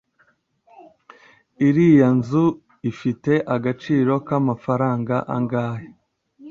Iriya nzu ifite agaciro k’amafaranga angahe